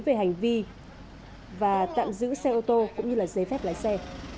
về hành vi và tạm giữ xe ô tô cũng như giấy phép lái xe